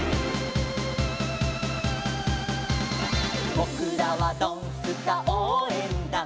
「ぼくらはドンスカおうえんだん」